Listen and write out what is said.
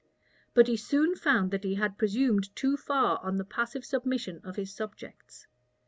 But he soon found that he had presumed too far on the passive submission of his subjects.